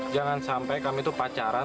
jangan sampai kami itu pacaran